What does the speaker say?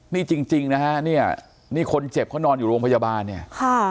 นี่จริงจริงนะฮะเนี่ยนี่คนเจ็บเขานอนอยู่โรงพยาบาลเนี่ยค่ะ